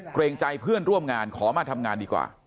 เกรงใจเพื่อนร่วมงานขอมาทำงานดีกว่า